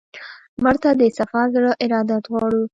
مړه ته د صفا زړه ارادت غواړو